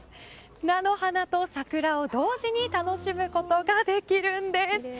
菜の花と桜を同時に楽しむことができるんです。